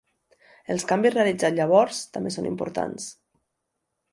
Els canvis realitzats llavors també són importants.